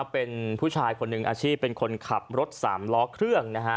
เป็นผู้ชายคนหนึ่งอาชีพเป็นคนขับรถสามล้อเครื่อง